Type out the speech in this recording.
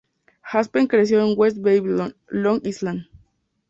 Aspen creció en West Babylon, Long Island.